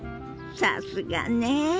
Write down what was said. さすがね！